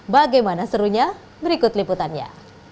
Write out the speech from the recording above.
bagaimana serunya berikut liputannya